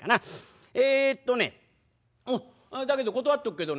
えっとねおっだけど断っとくけどね